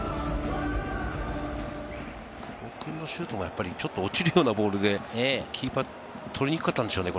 久保くんのシュートも落ちるような感じでキーパー、取りにくかったんでしょうね。